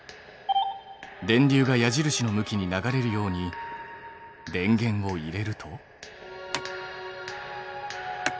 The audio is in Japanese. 電流が矢印の向きに流れるように電源を入れると。